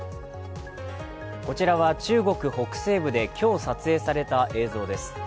こちらは中国北西部で今日撮影された映像です。